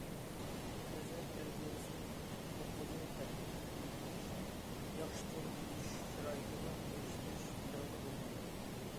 پەرزەنت تەربىيەسى« توققۇزىنى تەل» قىلىپ بېرىش، ياخشى تۇرمۇش شارائىتىغا ئېرىشتۈرۈش بىلەنلا بولمايدۇ.